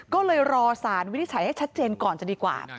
ก็เลยรอสารวินิจฉัยให้ชัดเจนก่อนจะดีกว่า